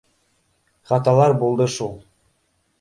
Хаталар булды шул